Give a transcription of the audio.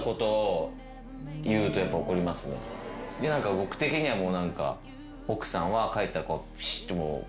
僕的にはもう何か奥さんは帰ったらピシッと。